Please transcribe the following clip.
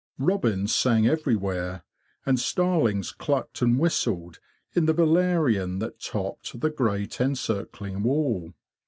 Robins sang everywhere, and starlings clucked and whistled in the valerian that topped the great encircling wall.